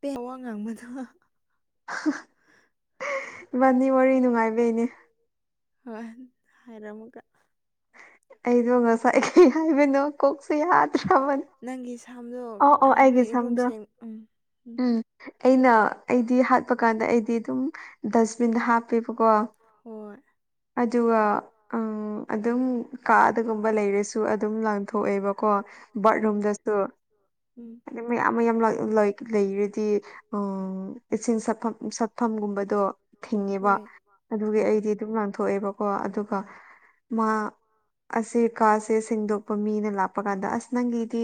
ꯇ ꯋꯥ ꯉꯥꯡꯕꯗꯨ ꯏꯕꯥꯅꯤ ꯋꯥꯔꯤ ꯅꯨꯡꯉꯥꯏꯕꯩꯅꯦ ꯍꯣꯏ ꯍꯥꯏꯔꯝꯃꯨꯒ ꯑꯩꯗꯣ ꯉꯁꯥꯏ ꯀꯩ ꯍꯥꯏꯕꯅꯣ ꯀꯣꯛꯁꯨ ꯌꯥꯗ꯭ꯔꯕꯅ ꯅꯪꯒꯤ ꯁꯥꯝꯗꯣ ꯅꯣꯏꯔꯨꯝꯁꯦꯡ ꯎꯝ ꯑꯩꯅ ꯑꯩꯗꯤ ꯍꯥꯠꯄ ꯀꯥꯟꯗ ꯑꯩꯗꯤ ꯑꯗꯨꯝ ꯗꯁꯕꯤꯟꯗ ꯍꯥꯞꯄꯦꯕꯀꯣ ꯑꯗꯨꯒ ꯑꯗꯨꯝ ꯀꯥꯗꯒꯨꯝꯕ ꯂꯩꯔꯁꯨ ꯑꯗꯨꯝ ꯂꯪꯊꯣꯛꯑꯦꯕꯀꯣ ꯕꯥꯠꯔꯨꯝꯗꯁꯨ ꯍꯥꯏꯗꯤ ꯃꯌꯥꯝ ꯃꯌꯥꯝ ꯂꯩ ꯂꯩꯔꯗꯤ ꯏꯁꯤꯡ ꯆꯠꯐꯝ ꯆꯠꯐꯝꯒꯨꯝꯕꯗꯣ ꯊꯤꯡꯉꯦꯕ ꯑꯗꯨꯒꯤ ꯑꯩꯗꯤ ꯑꯗꯨꯝ ꯂꯥꯡꯊꯣꯛꯑꯦꯕꯀꯣ ꯑꯗꯨꯒ ꯃꯥ ꯑꯁꯤ ꯀꯥꯁꯦ ꯁꯦꯡꯗꯣꯛꯄ ꯃꯤꯅ ꯂꯥꯛꯄ ꯀꯥꯟꯗ ꯑꯁ ꯅꯪꯒꯤꯗꯤ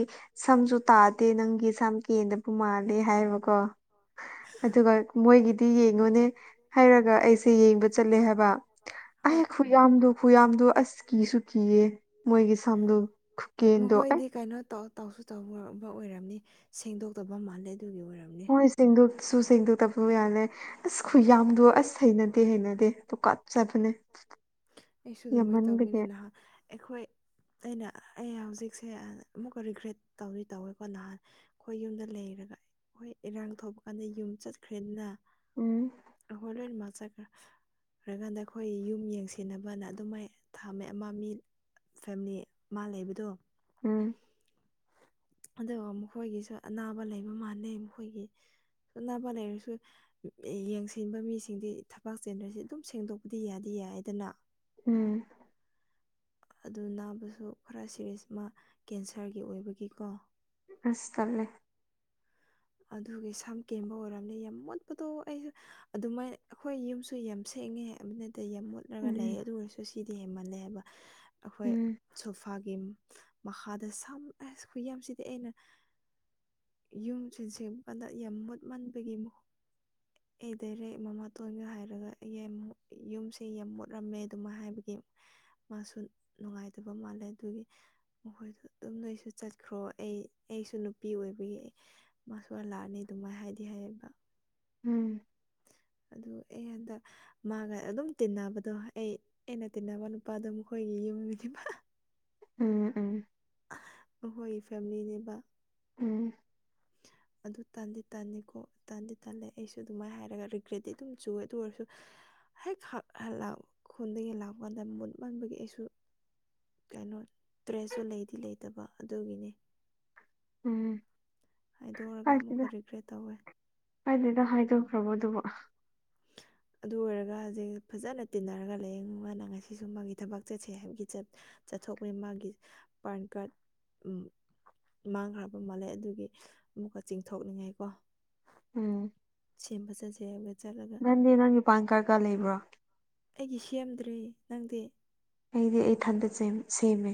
ꯁꯝꯁꯨ ꯇꯥꯗꯦ ꯅꯪꯒꯤ ꯁꯝ ꯀꯦꯟꯗꯕꯨ ꯃꯥꯜꯂꯦ ꯍꯥꯏꯕꯀꯣ ꯑꯗꯨꯒ ꯃꯣꯏꯒꯤꯗꯤ ꯌꯦꯡꯉꯣꯅꯦ ꯍꯥꯏꯔꯒ ꯑꯩꯁꯦ ꯌꯦꯡꯕ ꯆꯠꯂꯦ ꯍꯥꯏꯕ ꯑꯩ ꯈꯨꯌꯥꯝꯗꯨꯣ ꯈꯨꯌꯥꯝꯗꯨꯣ ꯑꯁ ꯀꯤꯁꯨ ꯀꯤꯌꯦ ꯃꯣꯏꯒꯤ ꯁꯝꯗꯨꯣ ꯈꯨꯀꯦꯟꯗꯣ ꯑꯩ ꯀ ꯀꯩꯅꯣꯧ ꯇꯧꯁꯨ ꯇꯧꯕ ꯑꯣꯏꯔꯝꯅꯤ ꯁꯦꯡꯗꯣꯛꯇꯕ ꯃꯥꯜꯂꯦ ꯑꯗꯨꯒꯤ ꯑꯣꯏꯔꯝꯅꯤ ꯁꯤꯡ ꯁꯨꯁꯤꯡꯒꯇꯕꯨ ꯌꯥꯦ ꯑꯁ ꯈꯨ ꯌꯥꯝꯗꯣ ꯑꯁ ꯍꯩꯅꯗꯦ ꯍꯩꯅꯗꯦ ꯑꯗꯨ ꯀꯥꯞꯆꯕꯅꯦ ꯑꯩꯁꯨ ꯑꯗꯨꯃꯥꯏꯅ ꯇꯧꯕꯋꯅ ꯅꯍꯥꯛ ꯑꯩꯈꯣꯏ ꯑꯩꯅ ꯑꯩ ꯍꯧꯖꯤꯛꯁꯦ ꯑꯃꯨꯛꯀ ꯔꯤꯒ꯭ꯔꯦꯠ ꯇꯧꯤ ꯇꯧꯋꯦꯀꯣ ꯅꯍꯥꯟ ꯑꯩꯈꯣꯏ ꯌꯨꯝꯗ ꯂꯩꯔꯒ ꯑꯩꯈꯣꯏ ꯏꯔꯥꯡ ꯊꯣꯛꯧꯕ ꯀꯥꯟꯗ ꯌꯨꯝ ꯆꯠꯈ꯭ꯔꯦꯅ ꯎꯝ ꯍꯂꯣꯏ ꯃꯆꯥꯒ ꯍꯥꯏꯔꯀꯥꯟꯗ ꯑꯩꯈꯣꯏ ꯌꯨꯝ ꯌꯦꯡꯁꯤꯦꯟꯅꯕꯅ ꯑꯗꯨꯃꯥꯏ ꯊꯥꯃꯦ ꯑꯃ ꯃꯤ ꯐꯦꯃꯤꯂꯤ ꯃꯥ ꯂꯩꯕꯗꯣ ꯎꯝ ꯑꯗꯨꯒ ꯃꯈꯣꯏꯒꯤꯁꯨ ꯑꯅꯥꯕ ꯂꯩꯕ ꯃꯥꯟꯅꯩ ꯃꯈꯣꯏꯒꯤ ꯅꯥꯕꯅꯦꯔꯁꯨ ꯌꯦꯡꯁꯤ ꯁꯤꯟꯕ ꯃꯤꯁꯤꯡꯗꯤ ꯊꯕꯥꯛ ꯆꯦꯟꯗ꯭ꯔꯁꯤ ꯑꯗꯨꯝ ꯁꯦꯡꯗꯣꯛꯄꯗꯤ ꯌꯥꯗꯤ ꯌꯥꯏꯗꯅ ꯎꯝ ꯑꯗꯨ ꯅꯥꯕꯁꯨ ꯈꯔ ꯁꯦꯔꯤꯁ ꯃꯥ ꯀꯦꯟꯁꯔꯒꯤ ꯑꯣꯏꯕꯒꯤꯀꯣ ꯑꯁ ꯇꯂꯦ ꯑꯗꯨꯒꯤ ꯁꯝ ꯀꯦꯟꯕ ꯑꯣꯏꯔꯝꯅꯤ ꯌꯥꯝ ꯃꯣꯠꯄꯗꯣ ꯑꯩꯁꯨ ꯑꯗꯨꯃꯥꯏꯅ ꯑꯩꯈꯣꯏ ꯌꯨꯝꯁꯨ ꯌꯥꯝ ꯁꯦꯡꯉꯦ ꯑꯗꯨꯕꯅ ꯌꯥꯝ ꯃꯣꯠꯂꯒ ꯂꯩ ꯑꯗꯨ ꯑꯣꯏꯔꯁꯨ ꯁꯤꯗꯤ ꯍꯦꯃꯜꯂꯦꯕ ꯑꯩꯈꯣꯏ ꯁꯣꯐꯥꯒꯤ ꯃꯈꯥꯗ ꯁꯝ ꯑꯁ ꯈꯨꯌꯁꯤꯗꯤ ꯑꯩꯅ ꯌꯨꯝꯁꯤꯡꯁꯤꯦꯡꯄꯗ ꯌꯥꯝ ꯃꯨꯠꯃꯟꯕꯒꯤ ꯃꯍ ꯑꯩ ꯗꯥꯏꯔꯦꯛ ꯃꯃꯥꯇꯣꯟꯒ ꯍꯥꯏꯔꯒ ꯌꯨꯝꯁꯦ ꯌꯥꯝ ꯃꯣꯠꯂꯝꯝꯃꯦ ꯑꯗꯨꯃꯥꯏ ꯍꯥꯏꯕꯒꯤ ꯃꯥꯁꯨ ꯅꯨꯡꯉꯥꯏꯇꯕ ꯃꯥꯜꯂꯦ ꯑꯗꯨꯒꯤ ꯃꯈꯣꯏꯗ ꯑꯗꯨꯝ ꯅꯣꯏꯁꯨ ꯆꯠꯈ꯭ꯔꯣ ꯑꯩ ꯑꯩꯁꯨ ꯅꯨꯄꯤ ꯑꯣꯏꯕꯒꯤ ꯃꯥꯁꯨꯋꯥꯔ ꯂꯥꯛꯑꯅꯤ ꯑꯗꯨꯃꯥꯏ ꯍꯥꯏꯗꯤ ꯍꯥꯏꯌꯦꯕ ꯎꯝ ꯑꯗꯨ ꯑꯩ ꯍꯟꯗꯛ ꯃꯥꯒ ꯑꯗꯨꯝ ꯇꯤꯟꯅꯕꯗꯣ ꯑꯩ ꯑꯩꯅ ꯇꯤꯟꯅꯕ ꯅꯨꯄꯥꯗꯣ ꯃꯈꯣꯏꯒꯤ ꯌꯨꯝꯗꯤ ꯎꯝ ꯎꯝ ꯑꯩꯈꯣꯏꯒꯤ ꯐꯦꯃꯤꯂꯤꯅꯦꯕ ꯎꯝ [inaudible] ꯑꯗꯨ ꯇꯟꯗꯤ ꯇꯟꯅꯤꯀꯣ ꯇꯟꯗꯤ ꯇꯜꯂꯦ ꯑꯩꯁꯨ ꯑꯗꯨꯃꯥꯏꯅ ꯍꯥꯏꯔꯒ ꯔꯤꯒ꯭ꯔꯦꯠꯇꯤ ꯑꯗꯨꯝ ꯆꯨꯋꯦ ꯑꯗꯨ ꯑꯣꯏꯔꯁꯨ ꯍꯦꯛ ꯍꯛ ꯈꯨꯟꯗꯒꯤ ꯂꯥꯛꯄ ꯀꯥꯟꯗ ꯃꯨꯠꯃꯟꯕꯒꯤ ꯑꯩꯁꯨ ꯀꯩꯅꯣ ꯇ꯭ꯔꯦꯁꯁꯨꯨ ꯂꯩꯗꯤ ꯂꯩꯇꯕ ꯑꯗꯨꯒꯤꯅꯤ ꯎꯝ ꯍꯥꯏꯗꯣꯛꯔꯒ ꯑꯃꯨꯛꯀ ꯔꯤꯒ꯭ꯔꯦꯠ ꯇꯧꯋꯦ ꯀꯥꯏꯗꯗ ꯍꯥꯏ ꯇꯣ꯭ꯔꯔꯕꯣ ꯑꯗꯨꯕ [inaudible] ꯑꯗꯨ ꯑꯣꯏꯔꯒ ꯍꯧꯖꯤꯛ ꯐꯖꯅ ꯇꯤꯟꯅꯔꯒ ꯂꯥꯏꯌꯦꯡꯉꯅ ꯉꯁꯤꯁꯨ ꯃꯥꯒꯤ ꯊꯕꯛ ꯆꯠꯁꯦ ꯍꯥꯏꯕꯒꯤ ꯆꯠꯊꯣꯛꯄꯅꯤ ꯃꯥꯒꯤ ꯄꯥꯟ ꯀꯥꯔꯗ ꯎꯝ ꯃꯥꯡꯈ꯭ꯔꯕ ꯃꯥꯜꯂꯦ ꯑꯗꯨꯒꯤ ꯑꯃꯨꯛꯀ ꯆꯤꯡꯊꯣꯛꯅꯤꯡꯉꯥꯏ ꯀꯣ ꯎꯝ ꯁꯦꯝꯕ ꯆꯠꯁꯦ ꯍꯥꯏꯕꯠ ꯃꯔꯝꯗꯤ ꯅꯪꯒꯤ ꯄꯥꯟ ꯀꯥ꯭ꯔꯠꯀ ꯂꯩꯕ꯭ꯔꯣ ꯑꯩꯒꯤ ꯁꯦꯝꯗ꯭ꯔꯤ ꯅꯪꯗꯤ ꯑꯩꯗꯤ ꯏꯊꯟꯗ ꯆꯦꯝ ꯁꯦꯝꯃꯦ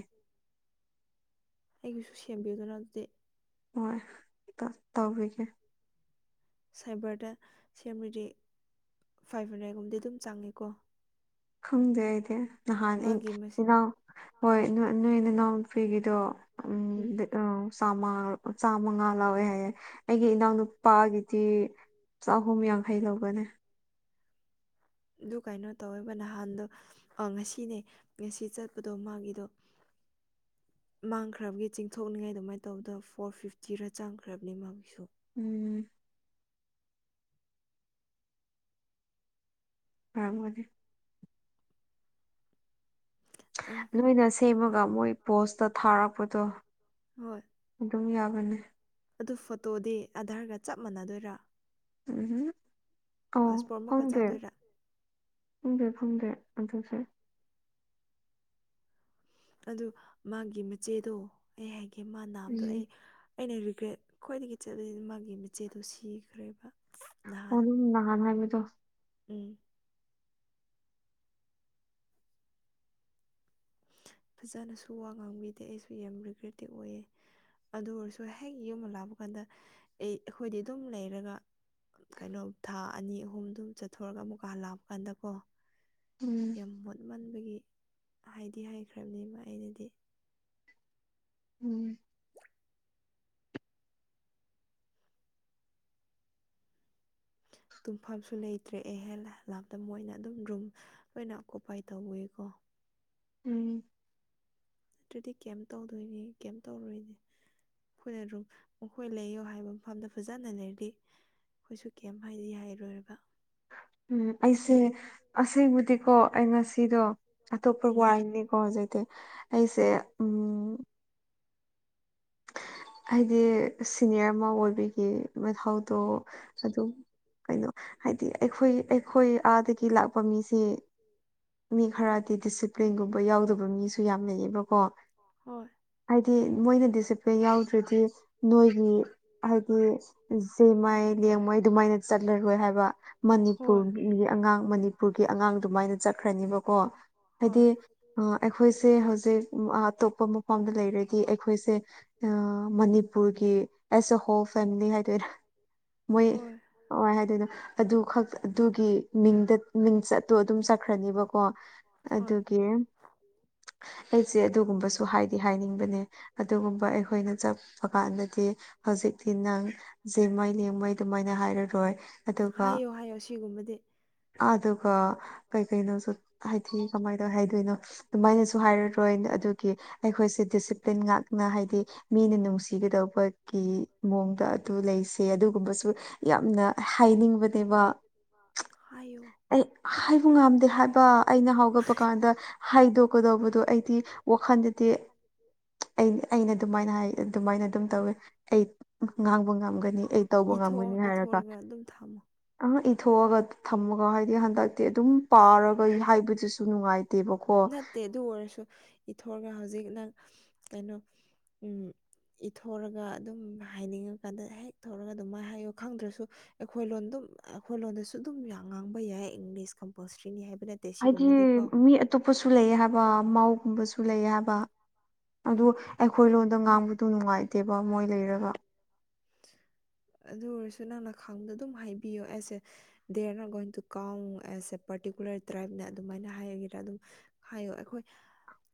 ꯑꯩꯒꯤꯁꯨ ꯁꯦꯝꯕꯤꯒꯦꯔ ꯑꯗꯨꯗꯤ ꯍꯣꯏ ꯇ ꯇꯧꯕꯤꯒꯦ ꯁꯥꯏꯕꯔꯗ ꯁꯦꯝꯔꯗꯤ ꯐꯥꯏꯚ ꯍꯟꯗ꯭ꯔꯦꯗꯒꯨꯝꯕꯗꯤ ꯑꯗꯨꯝ ꯆꯡꯉꯤꯀꯣ ꯈꯪꯗꯦ ꯑꯩꯗꯤ ꯅꯍꯥꯟ ꯏꯟ ꯏꯅꯥꯎ ꯍꯣꯏ ꯅꯣꯏ ꯅꯣꯏ ꯅꯅꯥꯎꯅꯨꯄꯤꯒꯤꯗꯣ ꯎꯝ ꯑ ꯆꯥꯃ ꯆꯥꯃꯉꯥ ꯂꯥꯎꯋꯦ ꯍꯥꯏꯌꯦ ꯑꯩꯒꯤ ꯏꯟꯅꯥꯎꯅꯨ ꯅꯨꯨꯄꯥꯒꯤꯗꯤ ꯆꯍꯨꯝ ꯌꯥꯡꯈꯩ ꯂꯧꯕꯅꯦ ꯑꯗꯨ ꯀꯩꯅꯣ ꯇꯧꯋꯦꯕ ꯅꯍꯥꯟꯗꯣ ꯑ ꯉꯁꯤꯅꯦ ꯉꯁꯤ ꯆꯠꯄꯗꯣ ꯃꯥꯒꯤꯗꯣ ꯃꯥꯡꯈ꯭ꯔꯕꯒꯤ ꯆꯤꯡꯊꯣꯛꯅꯤꯡꯉꯥꯏ ꯑꯗꯨꯃꯥꯏ ꯇꯧꯕꯗ ꯐꯣꯔ ꯐꯤꯐꯇꯤꯔ ꯆꯡꯈ꯭ꯔꯕꯅꯤ ꯃꯥꯒꯤꯁꯨ ꯎꯝ ꯐꯔꯝꯒꯅꯤ ꯂꯣꯏꯅ ꯁꯦꯝꯃꯒ ꯃꯣꯏ ꯄꯣꯁꯇ ꯊꯥꯔꯛꯄꯗꯣ ꯑꯗꯨꯝ ꯌꯥꯕꯅꯤ ꯑꯗꯨ ꯐꯣꯇꯣꯗꯤ ꯑꯙꯥꯔꯒ ꯆꯞ ꯃꯥꯟꯅꯗꯣꯏꯔꯥ ꯎꯝꯍꯨꯝ ꯑꯣ ꯈꯪꯗꯦ ꯈꯪꯗꯦ ꯈꯪꯗꯦ ꯑꯗꯨꯗꯤ ꯑꯗꯨ ꯃꯥꯒꯤ ꯃꯆꯦꯗꯣ ꯑꯩ ꯍꯥꯏꯒꯦ ꯃꯥ ꯅꯥꯕꯗꯣ ꯑꯩ ꯑꯩꯅ ꯔꯤꯒ꯭ꯔꯦꯠ ꯈ꯭ꯋꯥꯏꯗꯒꯤ ꯆꯠꯂꯗꯤ ꯃꯥꯒꯤ ꯃꯆꯦꯗꯨ ꯁꯤꯈ꯭ꯔꯦꯕ ꯑꯣꯔꯨꯝ ꯅꯍꯥꯟ ꯍꯥꯏꯕꯗꯣ ꯎꯝ ꯐꯖꯅꯁꯨ ꯋꯥ ꯉꯥꯡꯕꯤꯗꯦ ꯑꯩꯁꯨ ꯌꯥꯝ ꯔꯤꯒ꯭ꯔꯦꯠꯇꯤꯞ ꯑꯣꯏꯌꯦ ꯑꯗꯨ ꯑꯣꯏꯔꯁꯨ ꯍꯦꯛ ꯌꯨꯝꯕ ꯂꯥꯛꯄ ꯀꯥꯟꯗ ꯑꯩ ꯑꯩꯈꯣꯏꯗꯤ ꯑꯗꯨꯝ ꯂꯩꯔꯒ ꯀꯩꯅꯣ ꯊꯥ ꯑꯅꯤ ꯑꯍꯨꯝꯗꯨ ꯆꯠꯊꯣꯛꯔꯒ ꯑꯃꯨꯛꯀꯥ ꯂꯥꯛꯄ ꯀꯥꯟꯗꯀꯣ ꯎꯝ ꯃꯣꯠꯃꯟꯕꯒꯤ ꯍꯥꯏꯗꯤ ꯍꯥꯏꯈ꯭ꯔꯕꯅꯦꯕ ꯑꯩꯅꯗꯤ ꯎꯝ ꯇꯨꯝꯐꯝꯁꯨ ꯂꯩꯇ꯭ꯔꯦ ꯑꯦ ꯍꯦꯂꯥ ꯂꯥꯛꯇ ꯃꯣꯏꯅ ꯑꯗꯨꯝ ꯔꯨꯝ ꯑꯩꯈꯣꯏꯅ ꯑꯀꯨꯄꯥꯏ ꯇꯧꯋꯦꯀꯣ ꯎꯝ ꯇ꯭ꯔꯤꯗꯤꯛ ꯀꯩꯝ ꯇꯧꯗꯣꯏꯅꯤ ꯀꯩꯝ ꯇꯧꯔꯣꯏꯅꯦ ꯑꯩꯈꯣꯏꯅ ꯔꯨꯝ ꯃꯈꯣꯏ ꯂꯩꯌꯣ ꯍꯥꯏꯕ ꯃꯐꯝꯗ ꯐꯖꯅ ꯂꯩꯔꯗꯤ ꯑꯩꯈꯣꯏꯁꯨ ꯀꯩꯝ ꯍꯥꯏꯗꯤ ꯍꯥꯏꯔꯣꯏꯕ ꯎꯝ ꯑꯩꯁꯦ ꯑꯁꯦꯡꯕ ꯗꯤꯀꯣ ꯑꯩ ꯉꯁꯤꯗꯣ ꯑꯇꯣꯞꯄ ꯋꯥꯏꯟꯅꯤꯀꯣ ꯍꯧꯖꯤꯛꯇꯤ ꯑꯩꯁꯦ ꯎꯝ ꯍꯥꯏꯗꯤ ꯁꯤꯅꯤꯌꯔ ꯑꯃ ꯑꯣꯏꯕꯒꯤ ꯃꯊꯧꯗꯣ ꯑꯗꯨꯝ ꯀꯩꯅꯣ ꯍꯥꯏꯗꯤ ꯑꯩꯈꯣꯏ ꯑꯩꯈꯣꯏ ꯑꯥꯗꯒꯤ ꯂꯥꯛꯄ ꯃꯤꯁꯦ ꯃꯤ ꯈꯔꯗꯤ ꯗꯤꯁꯤꯄ꯭ꯂꯤꯟꯒꯨꯝꯕ ꯌꯥꯎꯗꯕ ꯃꯤꯁꯨ ꯌꯥꯝ ꯂꯩꯌꯦꯕꯀꯣ ꯍꯥꯏꯗꯤ ꯃꯣꯏꯅ ꯗꯤꯁꯤꯄ꯭ꯂꯤꯟ ꯌꯥꯎꯗ꯭ꯔꯗꯤ ꯅꯣꯏꯒꯤ ꯍꯥꯏꯗꯤ ꯃꯥꯏ ꯂꯦꯡꯃꯥꯏ ꯑꯗꯨꯃꯥꯏꯅ ꯆꯠꯂꯔꯣꯏ ꯍꯥꯏꯕꯅꯤ ꯄꯨꯔꯒꯤ ꯏꯒꯤ ꯑꯉꯥꯡ ꯃꯅꯤꯄꯨꯔꯒꯤ ꯑꯉꯥꯡ ꯑꯗꯨꯃꯥꯏꯅ ꯆꯠꯈ꯭ꯔꯅꯦꯕꯀꯣ ꯍꯥꯏꯗꯤ ꯑ ꯑꯩꯈꯣꯏꯁꯦ ꯍꯧꯖꯤꯛ ꯑ ꯑꯇꯣꯞꯄ ꯃꯐꯝꯗ ꯂꯩꯔꯗꯤ ꯑꯩꯈꯣꯏꯁꯦ ꯑ ꯃꯅꯤꯄꯨꯔꯒꯤ ꯑꯦꯁ ꯑ ꯍꯣꯜ ꯐꯦꯃꯤꯂꯤ ꯍꯥꯏꯗꯣꯏꯔ ꯃꯣꯏ ꯀꯋꯥꯏ ꯍꯥꯏꯗꯣꯏꯅꯣ ꯑꯗꯨ ꯈꯛ ꯑꯗꯨꯒꯤ ꯃꯤꯡꯗ ꯃꯤꯡ ꯆꯠꯇꯣ ꯑꯗꯨꯝ ꯆꯠꯈ꯭ꯔꯅꯦꯕꯀꯣ ꯑꯗꯨꯒꯤꯟ ꯑꯩꯁꯦ ꯑꯗꯨꯒꯨꯝꯕꯁꯨ ꯍꯥꯏꯗꯤ ꯍꯥꯏꯅꯤꯡꯕꯅꯦ ꯑꯗꯨꯒꯨꯝꯕ ꯑꯩꯈꯣꯏꯅ ꯆ ꯀꯥꯟꯗꯗꯤ ꯍꯧꯖꯤꯛꯇꯤ ꯅꯪ ꯃꯩꯅꯦ ꯃꯩ ꯑꯗꯨꯃꯥꯏꯅ ꯍꯥꯏꯔꯔꯣꯏ ꯑꯗꯨꯒ ꯉꯁꯤ ꯒꯨꯝꯕꯗꯤ ꯑꯗꯨꯒ ꯀꯩꯀꯩꯅꯣꯁꯨ ꯍꯥꯏꯗꯤ ꯀꯃꯥꯏꯅ ꯍꯥꯏꯗꯣꯏꯅꯣ ꯑꯗꯨꯃꯥꯏꯅꯁꯨ ꯍꯥꯏꯔꯔꯣꯏ ꯑꯗꯨꯒꯤ ꯑꯩꯈꯣꯏꯁꯦ ꯗꯤꯁꯇ꯭ꯔ꯭ꯤꯠ ꯇꯩꯅꯦ ꯉꯥꯛ ꯍꯥꯏꯗꯤ ꯃꯤꯅꯥ ꯅꯨꯡ ꯅꯨꯡꯁꯤꯒꯗꯧꯕꯒꯤ ꯃꯑꯣꯡꯗ ꯑꯗꯨ ꯂꯩꯁꯦ ꯑꯗꯨꯒꯨꯝꯕꯁꯨ ꯌꯥꯝꯅ ꯍꯥꯏꯅꯤꯡꯕꯅꯦꯕ ꯑꯥ ꯑꯩ ꯍꯥꯏꯕ ꯉꯥꯝꯗꯦ ꯍꯥꯏꯕ ꯑꯩꯅ ꯍꯧꯒꯠꯄ ꯀꯥꯟꯗ ꯍꯥꯏꯗꯣꯛ ꯑꯗꯨꯕꯗꯣ ꯑꯩꯗꯤ ꯋꯥꯈꯜꯗꯗꯤ ꯑ ꯑꯩꯅ ꯑꯗꯨꯃꯥꯏꯅ ꯍꯥꯏ ꯑꯗꯨꯃꯥꯏꯅ ꯑꯗꯨꯝ ꯇꯧꯋꯦ ꯑꯩ ꯉꯥꯡꯕ ꯉꯝꯒꯅꯤ ꯑꯩ ꯇꯧꯕ ꯉꯝꯒꯅꯤ ꯍꯥꯏꯔꯒ ꯑ ꯏꯊꯣꯛꯑꯒ ꯑꯣ ꯍꯥꯏꯗꯤ ꯍꯟꯗꯛꯇꯤ ꯑꯗꯨꯝ ꯄꯥꯔꯒ ꯍꯥꯏꯕꯗꯨꯁꯨ ꯅꯨꯡꯉꯥꯏꯇꯦꯕꯀꯣ ꯑꯗꯨ ꯑꯣꯏꯔꯁꯨ ꯏꯊꯣꯔꯒ ꯍꯧꯖꯤꯛ ꯅꯪ ꯀꯩꯅꯣ ꯎ ꯏꯊꯣꯔꯒ ꯑꯗꯨꯝ ꯍꯥꯏꯅꯤꯡꯉꯀꯥꯟꯗ ꯍꯦꯛ ꯊꯧꯔꯒ ꯑꯗꯨꯃꯥꯏꯅ ꯍꯥꯏꯌꯣ ꯈꯪꯗ꯭ꯔꯁꯨ ꯑꯩꯈꯣꯏ ꯂꯣ ꯑꯗꯨꯝ ꯑꯩꯈꯣꯏ ꯂꯣꯟꯗꯁꯨ ꯑꯗꯨꯝ ꯉꯥꯡꯕ ꯌꯥꯏ ꯏꯪꯂꯤꯁ ꯀꯝꯄꯜꯁꯔꯤꯅꯤ ꯍꯥꯏꯕ ꯅꯠꯇꯦ ꯍꯥꯏꯗꯤ ꯃꯤ ꯑꯇꯣꯞꯄꯁꯨ ꯂꯩ ꯍꯥꯏꯕ ꯃꯥꯎꯒꯨꯝꯕꯁꯨ ꯂꯩ ꯍꯥꯏꯕ ꯑꯗꯨ ꯑꯩꯈꯣꯏ ꯂꯣꯟꯗ ꯉꯥꯡꯕꯗꯨ ꯅꯨꯡꯉꯥꯏꯇꯦꯕ ꯃꯣꯏ ꯂꯩꯔꯒ ꯑꯗꯨ ꯑꯣꯏꯔꯁꯨ ꯅꯪꯅ ꯈꯪꯕꯗ ꯑꯗꯨꯝ ꯍꯥꯏꯕꯤꯌꯣ as a they are not going to ꯀꯥꯎ ꯑꯦꯁ ꯑꯦ ꯄꯥꯔꯇꯤꯀꯨꯂꯔ ꯇ꯭ꯔꯥꯏꯞꯅ ꯑꯗꯨꯃꯥꯏꯅ ꯍꯥꯏꯒꯦꯔꯥ ꯑꯗꯨꯝ ꯍꯥꯏꯌꯣ ꯑꯩꯈꯣꯏ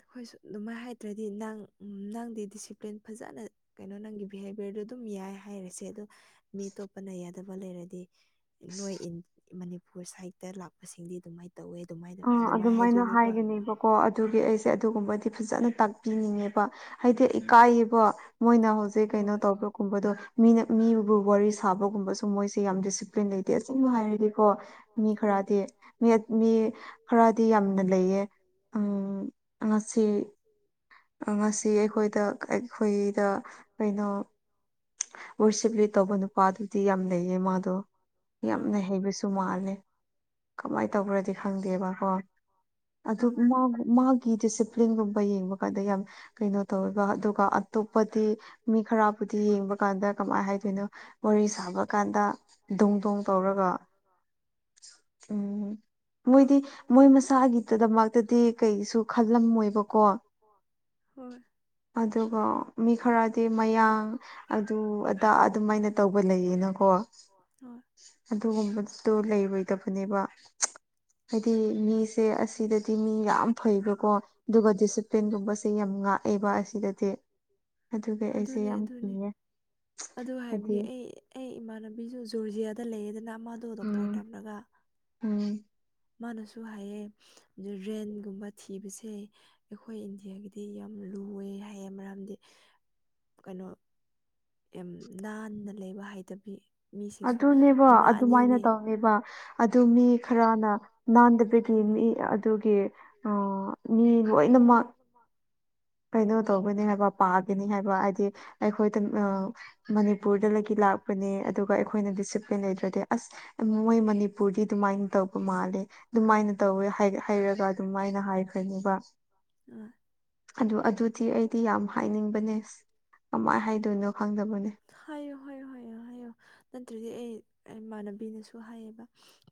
ꯑꯩꯈꯣꯏꯁꯨ ꯑꯗꯨꯃꯥꯏꯅꯗ꯭ꯔꯗꯤ ꯅꯪ ꯅꯪꯗꯤ ꯗꯤꯁꯤꯄ꯭ꯂꯤꯟ ꯐꯖꯅ ꯀꯩꯅꯣ ꯅꯪꯒꯤ ꯕꯤꯍꯦꯕꯤꯌꯔꯗ ꯑꯗꯨꯝ ꯌꯥꯏ ꯍꯥꯏꯔꯁꯦ ꯑꯗꯣ ꯃꯤ ꯑꯇꯣꯞꯄꯅ ꯌꯥꯗꯕ ꯂꯩꯔꯗꯤ ꯅꯣꯏ ꯏꯟ ꯃꯅꯤꯄꯨꯔ ꯁꯥꯏꯗꯠꯇ ꯂꯥꯛꯄꯁꯤꯡꯗꯤ ꯑꯗꯨꯃꯥꯏꯅ ꯇꯧꯋꯦ ꯑꯗꯨꯃꯥꯏꯅ ꯑꯗꯨꯃꯥꯏ ꯍꯥꯏꯗꯣꯏꯅꯤꯀꯣ ꯀꯣ ꯑꯗꯨꯒꯤ ꯑꯩꯁꯦ ꯑꯗꯨꯒꯨꯝꯕꯗꯤ ꯐꯖꯅ ꯇꯥꯛꯄꯤꯅꯤꯡꯉꯦꯕ ꯍꯥꯏꯗꯤ ꯏꯀꯥꯏꯌꯦꯕ ꯃꯣꯏꯅ ꯍꯧꯖꯤꯛ ꯀꯩꯅꯣ ꯇꯧꯕ꯭ꯔꯣ ꯨꯕꯗꯣ ꯃꯤꯅ ꯃꯤꯕꯨ ꯋꯥꯔꯤ ꯁꯥꯕꯒꯨꯝꯕꯁꯨ ꯃꯣꯏꯁꯦ ꯌꯥꯝ ꯗꯤꯁꯤꯄ ꯂꯩꯇꯦ ꯑꯨꯝꯕ ꯍꯥꯏꯔꯗꯤꯀꯣ ꯃꯤ ꯈꯔꯗꯤ ꯃꯤ ꯈꯔꯗꯤ ꯌꯥꯝꯅ ꯂꯩꯌꯦ ꯎ ꯉꯁꯤ ꯉꯁꯤ ꯑꯩꯈꯣꯏꯗ ꯑꯩꯈꯣꯏꯗ ꯀꯩꯅꯣ ꯋꯔꯁꯤꯞꯂꯤ ꯇꯧꯕ ꯅꯨꯄꯥꯗꯨꯗꯤ ꯌꯥꯝ ꯂꯩꯌꯦ ꯃꯥꯗꯣ ꯌꯥꯝꯅ ꯍꯩꯕꯁꯨ ꯃꯥꯜꯂꯦ ꯀꯃꯥꯏꯅ ꯇꯧꯕ꯭ꯔꯗꯤ ꯈꯪꯗꯦꯕꯀꯣ ꯑꯗꯨ ꯃꯥꯎ ꯒꯤ ꯗꯤꯁꯤꯄ꯭ꯂꯤꯟꯒꯨꯝꯕ ꯌꯦꯡꯕ ꯀꯥꯟꯗ ꯌꯥꯝ ꯀꯩꯅꯣ ꯇꯧꯕ ꯑꯗꯨꯒ ꯑꯇꯣꯞꯄꯗꯤ ꯃꯤ ꯈꯔꯕꯨꯗꯤ ꯌꯦꯡꯕ ꯀꯥꯟꯗ ꯀꯃꯥꯏ ꯍꯥꯏꯗꯣꯏꯅꯣ ꯋꯥꯔꯤ ꯁꯥꯕ ꯀꯥꯟꯗ ꯗꯣꯡ ꯗꯣꯡ ꯇꯧꯔꯒ ꯎꯝ ꯃꯣꯏꯗꯤ ꯃꯣꯏ ꯃꯁꯥꯒꯤꯗꯃꯛꯇꯗꯤ ꯀꯩꯁꯨ ꯈꯜꯂꯝꯃꯣꯏꯕꯀꯣ ꯑꯗꯨꯒ ꯃꯤ ꯈꯔꯗꯤ ꯃꯌꯥꯡ ꯑꯗꯨ ꯑꯗꯥ ꯑꯗꯨꯃꯥꯏꯅ ꯇꯧꯕ ꯂꯩꯌꯦꯅꯀꯣ ꯍꯣꯏ ꯑꯗꯨꯒꯨꯝꯕꯗꯨꯁꯨ ꯂꯩꯔꯣꯏꯗꯕꯅꯦꯕ ꯍꯥꯏꯗꯤ ꯃꯤꯁꯦ ꯑꯁꯤꯗꯗꯤ ꯃꯤ ꯌꯥꯝ ꯐꯩꯕꯀꯣ ꯑꯗꯨꯒ ꯗꯤꯁꯤꯄ꯭ꯂꯤꯟ ꯀꯄꯦꯟꯒꯨꯝꯕꯁꯦ ꯌꯥꯝ ꯉꯥꯛꯑꯦꯕ ꯑꯁꯤꯗꯗꯤ ꯑꯗꯨꯒ ꯑꯩꯁꯦ ꯌꯥꯝ ꯏꯌꯦ ꯍꯥꯏꯗꯤ ꯑꯩ ꯏꯃꯥꯟꯅꯕꯤꯁꯨ ꯖꯨꯔꯖꯤꯌꯥꯗ ꯂꯩꯌꯦꯗꯅ ꯃꯥꯗꯣ ꯗꯣꯛꯇꯔ ꯇꯝꯂꯒ ꯎꯝ ꯃꯥꯅꯁꯨ ꯍꯥꯏꯌꯦ ꯑꯗꯨ ꯔꯦꯟꯒꯨꯝꯕ ꯊꯤꯕꯁꯦ ꯑꯩꯈꯣꯏ ꯏꯟꯗꯤꯌꯥꯒꯤꯗꯤ ꯌꯥꯝ ꯂꯨꯑꯦ ꯍꯥꯏꯌꯦ ꯃꯔꯝꯗꯤ ꯀꯩꯅꯣ ꯌꯥꯝ ꯅꯥꯟꯅ ꯂꯩꯕ ꯍꯩꯇꯕꯤ ꯑꯗꯨꯅꯦꯕ ꯑꯗꯨꯃꯥꯏꯅ ꯇꯧꯋꯦꯕ ꯑꯗꯨ ꯃꯤ ꯈꯔꯅ ꯅꯥꯟꯗꯕꯒꯤ ꯃꯤ ꯑꯗꯨꯒꯤ ꯑꯥ ꯃꯤ ꯂꯣꯏꯅꯃꯛ ꯀꯩꯅꯣ ꯇꯧꯒꯅꯤ ꯍꯥꯏꯕ ꯄꯥꯒꯅꯤ ꯍꯥꯏꯕ ꯍꯥꯏꯗꯤ ꯑꯩꯈꯣꯏꯗ ꯑꯥ ꯃꯅꯤꯄꯨꯔꯗꯒꯤ ꯂꯥꯛ ꯑꯗꯨꯒ ꯑꯩꯈꯣꯏꯅ ꯗꯤꯁꯤꯄ꯭ꯂꯤꯟ ꯂꯩꯗ꯭ꯔꯗꯤ ꯑꯁ ꯃꯣꯏ ꯃꯅꯤꯄꯨꯔꯗꯤ ꯑꯗꯨꯃꯥꯏꯅ ꯇꯧꯕ ꯃꯥꯜꯂꯦ ꯑꯗꯨꯃꯥꯏꯅ ꯇꯧꯋꯦ ꯍꯥꯏ ꯍꯥꯏꯔꯒ ꯑꯗꯨꯃꯥꯏꯅ ꯍꯥꯏꯈ꯭ꯔꯅꯦꯕ ꯎꯝ ꯑꯗꯨ ꯑꯗꯨꯗꯤ ꯑꯩꯗꯤ ꯌꯥꯝ ꯍꯥꯏꯅꯤꯡꯕꯅꯦ ꯀꯃꯥꯏ ꯍꯥꯏ [inaudible] ꯍꯥꯏꯌꯣ ꯍꯥꯏꯌꯣ ꯍꯥꯏꯌꯣ ꯍꯥꯏꯌꯣ ꯅꯠꯇ꯭ꯔꯗꯤ ꯑꯩ ꯏꯃꯥꯟꯅꯕꯤꯅꯁꯨ ꯍꯥꯏꯌꯦꯕ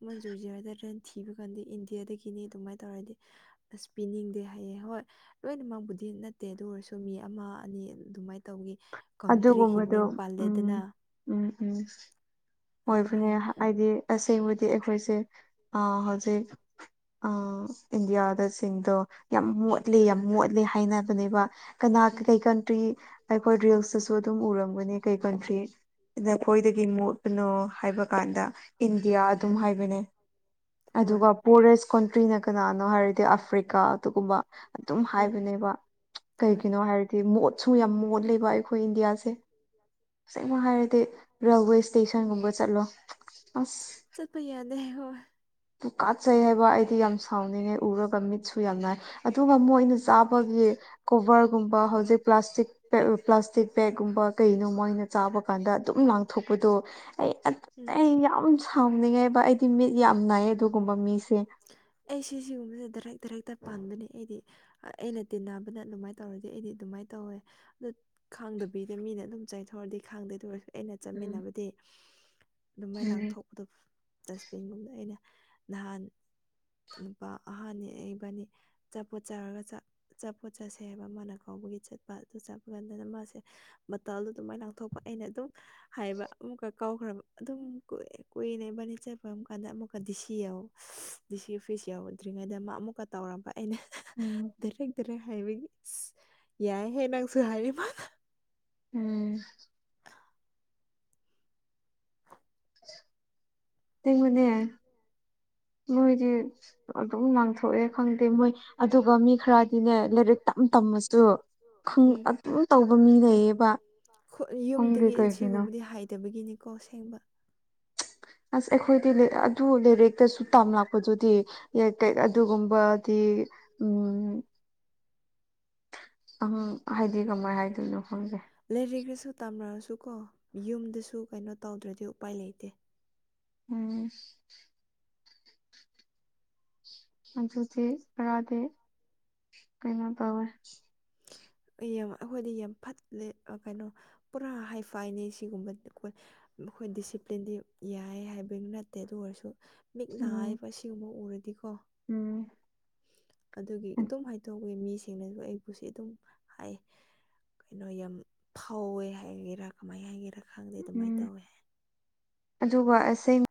ꯃꯟꯖꯨꯔꯁꯦ ꯍꯥꯏꯗꯔꯦꯟ ꯊꯤꯕ ꯀꯥꯟꯗ ꯏꯟꯗꯤꯌꯥꯗꯒꯤꯅꯤ ꯑꯗꯨꯃꯥꯏꯅ ꯇꯧꯔꯗꯤ ꯑꯁ ꯄꯤꯅꯤꯡꯗꯦ ꯍꯥꯏꯌꯦ ꯍꯣꯏ ꯂꯣꯏꯅꯃꯛꯕꯨꯗꯤ ꯅꯠꯇꯦ ꯑꯗꯨ ꯑꯣꯏꯔꯁꯨ ꯃꯤ ꯑꯃ ꯑꯅꯤ ꯑꯗꯨꯃꯥꯏꯅ ꯇꯧꯈꯤ ꯀꯟꯇ꯭ꯔꯤꯒꯤ ꯃꯤꯡ ꯄꯜꯂꯦꯗꯅ ꯎꯝ ꯎꯝ ꯍꯣꯏꯕꯅꯦ ꯍꯥꯏꯗꯤ ꯑꯁꯦꯡꯕꯗꯤ ꯑꯩꯈꯣꯏꯁꯦ ꯑꯥ ꯍꯧꯖꯤꯛ ꯑꯥ ꯏꯟꯗꯤꯌꯥꯗꯁꯤꯡꯗꯣ ꯌꯥꯝ ꯃꯣꯠ ꯃꯣꯠꯂꯦ ꯌꯥꯝ ꯃꯣꯠꯂꯦ ꯍꯥꯏꯅꯕꯅꯦꯕ ꯀꯅꯥ ꯀꯩ ꯀꯟꯇ꯭ꯔꯤ ꯑꯩꯈꯣꯏ ꯔꯤꯜꯁꯇꯁꯨ ꯑꯗꯨꯝ ꯎꯔꯝꯒꯅꯤ ꯀꯩ ꯀꯟꯇ꯭ꯔꯤ ꯅꯈꯣꯏꯗꯒꯤ ꯃꯣꯠꯄꯅꯣ ꯍꯥꯏꯕ ꯀꯥꯟꯗ ꯏꯟꯗꯤꯌꯥ ꯑꯗꯨꯝ ꯍꯥꯏꯕꯅꯦ ꯑꯗꯨꯒ ꯄꯣꯔꯦꯁ ꯀꯟꯇ꯭ꯔꯤꯅ ꯀꯅꯥꯅꯣ ꯍꯥꯏꯔꯗꯤ ꯑꯐ꯭ꯔꯤꯀꯥ ꯑꯗꯨꯒꯨꯝꯕ ꯑꯗꯨꯝ ꯍꯥꯏꯕꯅꯦꯕ ꯀꯩꯒꯤꯅꯣ ꯍꯥꯏꯔꯗꯤ ꯃꯣꯠꯁꯨ ꯌꯥꯝ ꯃꯣꯠ ꯃꯣꯠꯁꯨ ꯃꯣꯠꯔꯦꯕ ꯏꯟꯗꯤꯌꯥꯁꯦ ꯁꯦꯡꯅ ꯍꯥꯏꯔꯗꯤ ꯔꯦꯜꯋꯦ ꯏꯁꯇꯦꯁꯟꯒꯨꯝꯕ ꯆꯠꯂꯣ ꯑꯁ ꯆꯠꯄ ꯌꯥꯗꯦ ꯍꯣꯏ ꯇꯨꯀꯥꯠꯆꯩ ꯍꯥꯏꯕ ꯑꯩꯗꯤ ꯌꯥꯝ ꯁꯥꯎꯅꯤꯡꯉꯦ ꯎꯔꯒ ꯃꯤꯠꯁꯨ ꯌꯥꯝ ꯅꯥꯏ ꯑꯗꯨꯒ ꯃꯣꯏꯅ ꯆꯥꯕꯒꯤ ꯀꯣꯚꯔꯒꯨꯝꯕ ꯍꯧꯖꯤꯛ ꯄ꯭ꯂꯥꯁꯇꯤꯛ ꯄ꯭ꯂꯥꯁꯇꯤꯛ ꯕꯦꯒꯀꯨꯝꯕ ꯀꯩꯅꯣ ꯃꯣꯏꯅ ꯆꯥꯕ ꯀꯥꯟꯗ ꯑꯗꯨꯝ ꯂꯥꯡꯊꯣꯛꯄꯗꯣ ꯑꯩ ꯌꯥꯝ ꯁꯥꯎꯅꯤꯡꯉꯦꯕ ꯑꯩꯗꯤ ꯃꯤꯠ ꯌꯥꯝꯅ ꯃꯤꯠ ꯌꯥꯝꯅ ꯅꯌꯦꯕ ꯑꯩ ꯁꯤ ꯁꯤꯒꯨꯝꯕꯁꯦ ꯗꯔꯦꯛ ꯇꯔꯛꯇ ꯄꯥꯟꯕꯅꯦ ꯑꯩꯗꯤ ꯑꯩꯅ ꯇꯤꯟꯅꯕꯅ ꯑꯗꯨꯃꯥꯏꯅ ꯇꯧꯔꯗꯤ ꯑꯩꯗꯤ ꯑꯗꯨꯃꯥꯏꯅ ꯇꯧꯋꯦ ꯑꯗꯨ ꯈꯪꯗꯕꯤꯗ ꯃꯤꯅ ꯑꯗꯨꯝ ꯆꯥꯏꯊꯣꯛꯑꯗꯤ ꯈꯪꯗꯦ ꯑꯗꯨ ꯑꯣꯏꯔꯁꯨ ꯑꯩꯅ ꯆꯠꯃꯤꯟꯅꯕꯗꯤ ꯑꯗꯨꯃꯥꯏ ꯂꯥꯡꯊꯣꯛ ꯑꯗꯨ ꯗꯁꯕꯤꯟꯒꯨꯝꯗ ꯑꯩꯅ ꯅꯍꯥꯟ ꯂꯨꯄꯥ ꯑꯍꯥꯟꯅꯤ ꯏꯕꯅꯤ ꯆꯆꯥꯄꯣꯠ ꯆꯥꯔꯒ ꯆꯥ ꯆꯥꯄꯣꯠ ꯆꯥꯁꯦ ꯍꯥꯏꯕ ꯃꯥꯅ ꯀꯥꯎꯕꯒꯤ ꯆꯠꯄ ꯑꯗꯨ ꯆꯕ ꯀꯥꯟꯗ ꯃꯥꯁꯦ ꯃꯇꯜꯗ ꯑꯗꯨꯃꯥꯏꯅ ꯂꯥꯡꯊꯣꯛꯄ ꯑꯩꯅ ꯑꯗꯨꯝ ꯍꯥꯏꯕ ꯑꯃꯨꯛꯀ ꯀꯥꯎꯈ꯭ꯔꯕ ꯑꯗꯨꯝ ꯀꯨ ꯀꯨꯏꯅꯦ ꯏꯕꯥꯅꯤ ꯆꯠꯄ ꯑꯃ ꯀꯥꯟꯗ ꯑꯃꯨꯛꯀ ꯗꯤꯁꯤ ꯌꯥꯎꯋ ꯗꯤ ꯁꯤ ꯑꯣꯐꯤꯁ ꯌꯧꯔꯨꯗ꯭ꯔꯤꯉꯩꯗ ꯃꯥ ꯑꯃꯨꯛꯀ ꯇꯧꯔꯕ ꯑꯩꯅ ꯎꯝ ꯗꯦꯔꯦꯛ ꯦꯔꯦꯛ ꯍꯥꯏꯕꯒꯤ ꯑꯁ ꯌꯥꯏꯍꯦ ꯅꯪꯁꯨ ꯍꯥꯏꯔꯤꯕ ꯎꯝ [unintelligible] [inaudible] ꯇ ꯃꯅꯦ [unintelligible] ꯅꯣꯏꯗꯤ ꯑꯗꯨꯝ ꯉꯥꯡꯊꯣꯛꯑꯦ ꯈꯪꯗꯦ ꯃꯣꯏ ꯑꯗꯨꯒ ꯃꯤ ꯈꯔꯗꯤꯅꯦ ꯂꯥꯏꯔꯤꯛ ꯇꯝ ꯇꯝꯃꯁꯨ ꯈꯪ ꯑꯗꯨꯝ ꯇꯧꯕ ꯃꯤ ꯂꯩꯌꯦꯕ ꯈꯨꯠ ꯌꯨꯝꯗꯒꯤ ꯁꯤꯒꯨꯝꯕꯗꯤ ꯍꯥꯏꯗꯕꯒꯤꯅꯤꯀꯣ ꯑꯁꯦꯡꯕ ꯑꯁ ꯑꯩꯈꯣꯏꯗꯤ ꯑꯗꯨ ꯂꯩꯔꯦ [unintelligible] ꯁꯨ ꯇꯝꯂꯥꯛꯄꯗꯨꯗꯤ ꯑꯗꯨꯒꯨꯝꯕꯗꯤ ꯎꯝ ꯑꯃ ꯍꯥꯏꯗꯤ ꯀꯃꯥꯏ ꯍꯥꯏꯗꯣꯏꯅꯣ ꯈꯪꯒꯦ ꯂꯩꯔꯤꯈ꯭ꯔꯁꯨ ꯇꯝꯅꯑꯁꯨ ꯀꯣ ꯌꯨꯝꯗꯁꯨ ꯀꯩꯅꯣ ꯇꯧꯗ꯭ꯔꯗꯤ ꯎꯄꯥꯏ ꯂꯩꯇꯦ ꯎꯝ ꯃꯆꯨꯁꯦ ꯄꯔꯥꯗꯦ ꯀꯩꯅꯣ ꯇꯧꯋꯦ ꯌꯥꯝ ꯑꯩꯈꯣꯏꯗꯤ ꯌꯥꯝ ꯐꯠꯂꯦ ꯀꯩꯅꯣ ꯄꯨꯔꯥ ꯍꯥꯏꯐꯥꯏꯅꯩ ꯁꯤꯒꯨꯝꯕ ꯑꯩꯣꯏ ꯗꯤꯁꯤꯄ꯭ꯂꯤꯟꯗꯤ ꯌꯥꯏ ꯍꯥꯏꯕꯒꯤ ꯅꯠꯇꯦ ꯑꯗꯨ ꯑꯣꯏꯔꯁꯨ ꯃꯤꯠ ꯅꯥꯏꯕ ꯁꯤꯒꯨꯝꯕ ꯎꯔꯗꯤꯀꯣ ꯎꯝ ꯑꯗꯨꯒꯤ ꯑꯗꯨꯝ ꯍꯥꯏꯗꯣꯛꯤ ꯃꯤꯁꯤꯡꯅꯁꯨ ꯑꯩꯕꯨꯁꯨ ꯑꯗꯨꯝ ꯍꯥꯏ ꯀꯩꯅꯣ ꯌꯥꯝ ꯐꯧꯋꯦ ꯍꯥꯏꯒꯦꯔꯥ ꯀꯃꯥꯏ ꯍꯥꯏꯒꯦꯔꯥ ꯈꯪꯗꯦ ꯑꯗꯨꯃꯥꯏꯅ ꯇꯧꯋꯦ ꯑꯗꯨꯒ ꯑꯁꯦꯡ